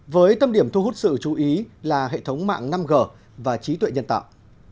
với tâm điểm thu hút sự chú ý là hệ thống mạng năm g và trí tuệ nhân tạo